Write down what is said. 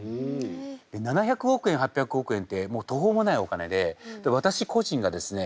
７００億円８００億円ってもう途方もないお金で私個人がですね